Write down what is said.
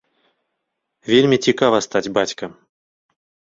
Вельмі цікава стаць бацькам.